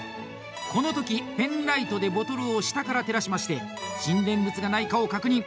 この時、ペンライトでボトルを下から照らしまして沈殿物がないかを確認。